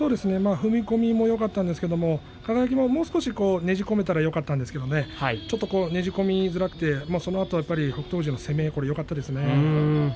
踏み込みもよかったですが輝ももう少しねじ込めたらよかったですがねじ込みづらくてそのあと北勝富士の攻めよかったですね。